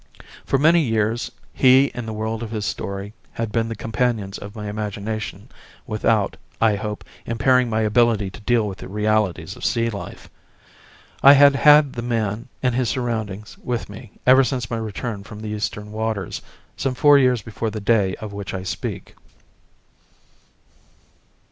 For many years he and the world of his story had been the companions of my imagination without, I hope, impairing my ability to deal with the realities of sea life. I had had the man and his surroundings with me ever since my return from the eastern waters, some four years before the day of which I speak.